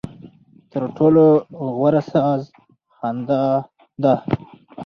ترټولو غوره ساز خندا ده.